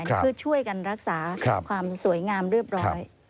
เพื่อช่วยกันรักษาความสวยงามเรียบร้อย